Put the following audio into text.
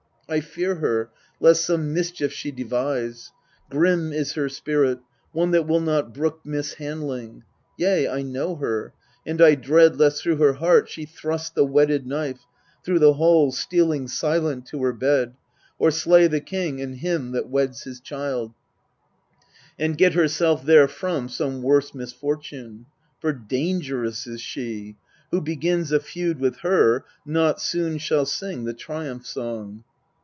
I fear her, lest some mischief she devise. Grim is her spirit, one that will not brook Mishandling : yea, I know her, and I dread Lest through her heart she thrust the whetted knife, Through the halls stealing silent to her bed, Or slay the king and him that weds his child, And get herself therefrom some worse misfortune ; For dangerous is she : who begins a feud With her, not soon shall sing the triumph song.